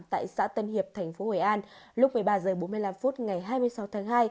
tại xã tân hiệp tp hội an lúc một mươi ba h bốn mươi năm ngày hai mươi sáu tháng hai